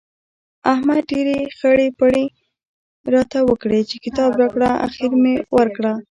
احمد ډېرې خړۍ پړۍ راته وکړې چې کتاب راکړه؛ اخېر مې ورکړ.